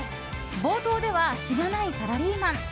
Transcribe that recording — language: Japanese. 冒頭では、しがないサラリーマン。